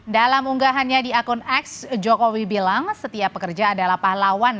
dalam unggahannya di akun x jokowi bilang setiap pekerja adalah pahlawan